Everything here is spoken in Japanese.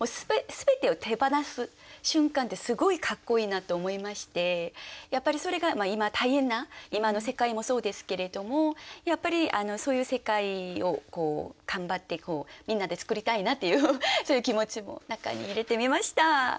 全てを手放す瞬間ってすごいかっこいいなと思いましてやっぱりそれが今大変な今の世界もそうですけれどもやっぱりそういう世界を頑張ってみんなで作りたいなっていうそういう気持ちも中に入れてみました。